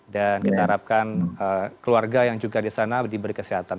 dan kita harapkan keluarga yang juga di sana diberi kesehatan